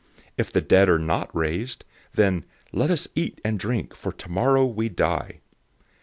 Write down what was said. If the dead are not raised, then "let us eat and drink, for tomorrow we die."